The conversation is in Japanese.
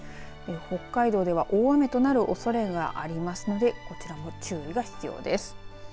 北海道では大雨となるおそれがありますのでこちらも注意が必要です。